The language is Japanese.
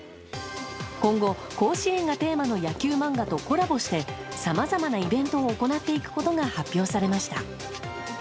今後、甲子園がテーマの野球漫画とコラボしてさまざまなイベントを行っていくことが発表されました。